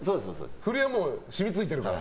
振りはもうしみついてるから。